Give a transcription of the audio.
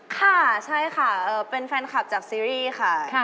ค่ะใช่ค่ะเป็นแฟนคลับจากซีรีส์ค่ะ